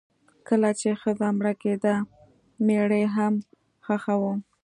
کله چې ښځه مړه کیده میړه یې هم خښاوه.